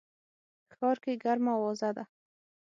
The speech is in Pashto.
ښار کي ګرمه اوازه ده